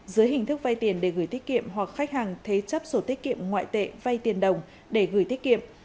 dưới hình thức vay tiền để gửi tiết kiệm hoặc khách hàng thế chấp sổ tiết kiệm ngoại tệ vay tiền đồng để gửi tiết kiệm